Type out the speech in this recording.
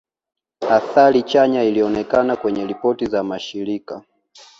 Athari chanya ilionekana kwenye ripoti za mashirika